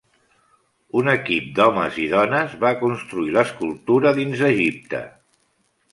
Un equip d'homes i dones va construir l'escultura dins Egipte.